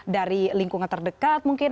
dari lingkungan terdekat mungkin